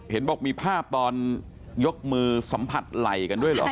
เห็นบอกมีภาพตอนยกมือสัมผัสไหล่กันด้วยเหรอ